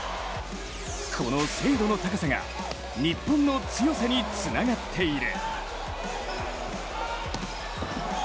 この精度の高さが日本の強さにつながっている。